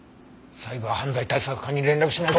サイバー犯罪対策課に連絡しないと。